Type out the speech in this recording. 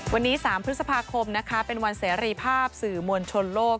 วันนี้๓พฤษภาคมนะคะเป็นวันเสรีภาพสื่อมวลชนโลก